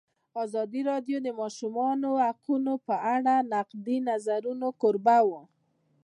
ازادي راډیو د د ماشومانو حقونه په اړه د نقدي نظرونو کوربه وه.